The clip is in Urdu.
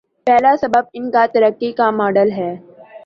پہلا سبب ان کا ترقی کاماڈل ہے۔